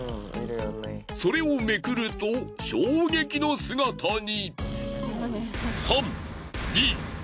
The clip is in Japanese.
それをめくると衝撃の姿に！